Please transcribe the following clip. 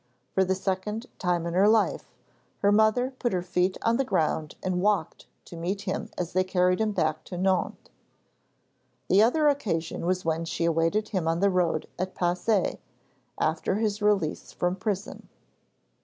For the second time in her life, his mother put her feet on the ground, and walked to meet him as they carried him back to Nohant. The other occasion was when she awaited him on the road at Passy, after his release from prison.